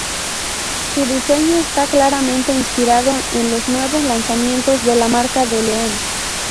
Su diseño está claramente inspirado en los nuevos lanzamientos de la marca del león.